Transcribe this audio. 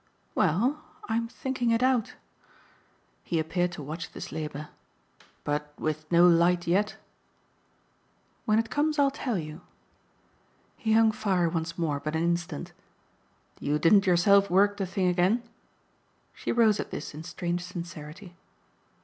"Well, I'm thinking it out." He appeared to watch this labour. "But with no light yet?" "When it comes I'll tell you." He hung fire once more but an instant. "You didn't yourself work the thing again?" She rose at this in strange sincerity.